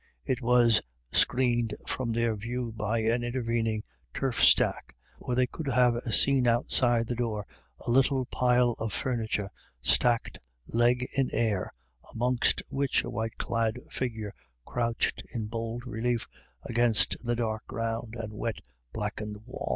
It was screened from their view by an intervening turf stack, or they could have seen outside the door a little pile of furniture stacked leg in air, amongst which a white clad figure crouched in bold relief against the dark ground and wet blackened wall.